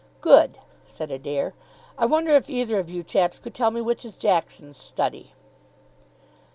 "Good," said Adair. "I wonder if either of you chaps could tell me which is Jackson's study."